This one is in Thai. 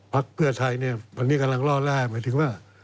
เพื่อไทยเนี่ยวันนี้กำลังล่อแร่หมายถึงว่า